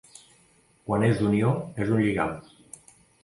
Quan és d'unió és un lligam.